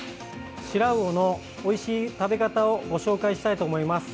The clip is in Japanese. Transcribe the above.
シラウオのおいしい食べ方をご紹介したいと思います。